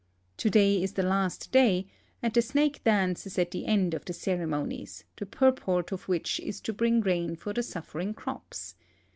Today is the last day, and the snake dance is the end of the ceremonies, the purport of which is to bring rain for the suffering crops.